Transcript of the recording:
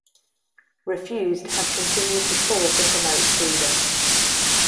Refused have continued to tour to promote "Freedom".